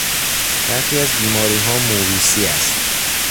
برخی از بیماریها موروثی است.